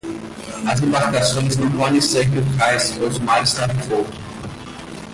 As embarcações não podem sair do cais, pois o mar está revolto.